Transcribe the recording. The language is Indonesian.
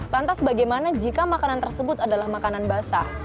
lantas bagaimana jika makanan tersebut adalah makanan basah